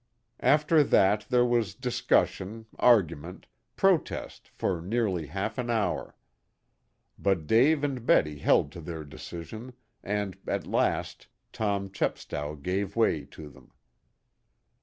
After that there was discussion, argument, protest for nearly half an hour. But Dave and Betty held to their decision, and, at last, Tom Chepstow gave way to them.